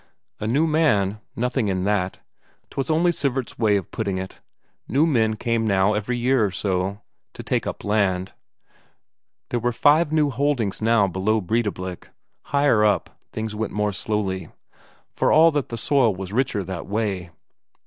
A new man nothing in that; 'twas only Sivert's way of putting it. New men came now every year or so, to take up land; there were five new holdings now below Breidablik. Higher up, things went more slowly, for all that the soil was richer that way.